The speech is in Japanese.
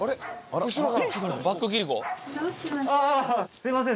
すいません